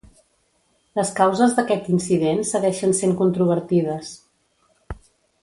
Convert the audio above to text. Les causes d'aquest incident segueixen sent controvertides.